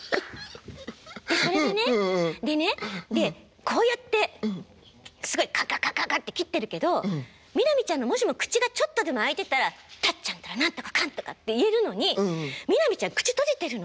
それはねでねこうやってすごいカッカッカッカッカッて切ってるけど南ちゃんのもしも口がちょっとでも開いてたら「タッちゃんったら何とかかんとか」って言えるのに南ちゃん口閉じてるの。